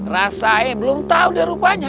rasanya belum tau dia rupanya